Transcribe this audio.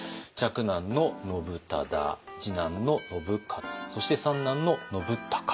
嫡男の信忠次男の信雄そして三男の信孝と。